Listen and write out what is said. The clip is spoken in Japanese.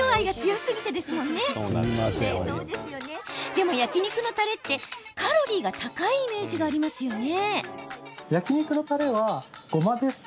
でも焼き肉のたれってカロリーが高いイメージありますよね。